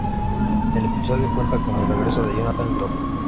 El episodio cuenta con el regreso de Jonathan Groff.